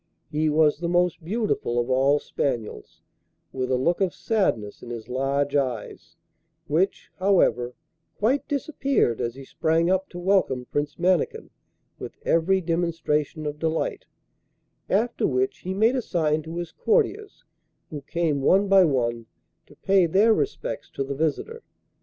He was the most beautiful of all spaniels, with a look of sadness in his large eyes, which, however, quite disappeared as he sprang up to welcome Prince Mannikin with every demonstration of delight; after which he made a sign to his courtiers, who came one by one to pay their respects to the visitor.